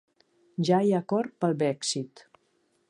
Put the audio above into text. Ja hi ha acord pel Brexit